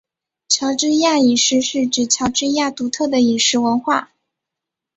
乔治亚饮食是指乔治亚独特的饮食文化。